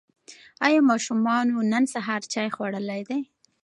ایا ماشومانو نن سهار چای خوړلی دی؟